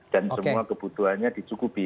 dan semua kebutuhannya dicukupi